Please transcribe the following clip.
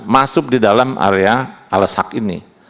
masuk di dalam area alas hak ini